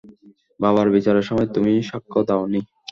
বাবার বিচারের সময় তুমি সাক্ষ্য দাওনি।